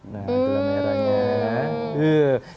nah juga merahnya